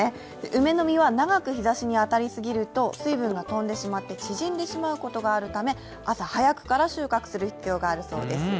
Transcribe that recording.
梅の実は長く日ざしに当たり過ぎると水分が飛んでしまって縮んでしまうことがあるため朝早くから収穫する必要があるそうです。